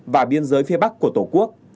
và biên giới phía bắc của tổ quốc